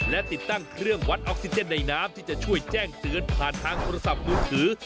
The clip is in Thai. และติดตั้งเครื่องวัดออกซิเจนในน้ำที่จะช่วยแจ้งเตือนผ่านทางโทรศัพท์มือถือ